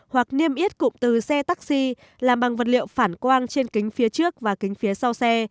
hoặc niêm yết cụm từ xe taxi làm bằng vật liệu phản quang trên kính phía trước và kính phía sau xe